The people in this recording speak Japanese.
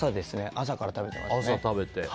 朝から食べてますね。